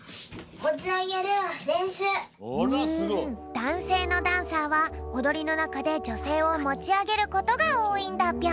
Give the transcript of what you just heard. だんせいのダンサーはおどりのなかでじょせいをもちあげることがおおいんだぴょん。